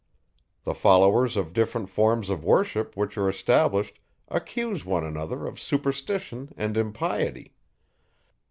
The followers of different forms of worship which are established, accuse one another of superstition and impiety.